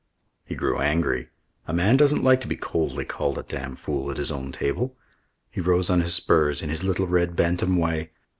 He grew angry. A man doesn't like to be coldly called a damfool at his own table. He rose on his spurs, in his little red bantam way.